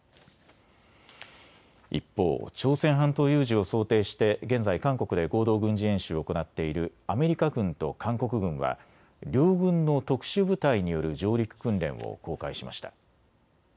一方、朝鮮半島有事を想定して現在、韓国で合同軍事演習を行っているアメリカ軍と韓国軍は両軍の特殊部隊による上陸訓練を公開しました。